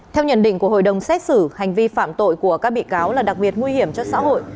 theo nhận định của hội đồng xét xử hành vi phạm tội của các bị cáo là đặc biệt nguy hiểm cho xã hội